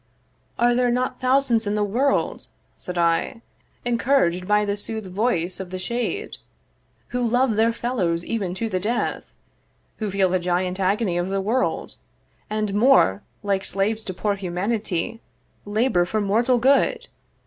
'Are there not thousands in the world,' said I, Encourag'd by the sooth voice of the shade, 'Who love their fellows even to the death; 'Who feel the giant agony of the world; 'And more, like slaves to poor humanity, 'Labour for mortal good?